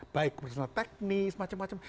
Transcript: baik personal teknis macem macem